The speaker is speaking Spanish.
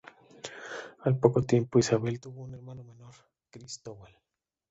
Al poco tiempo Isabel tuvo un hermano menor, Cristóbal.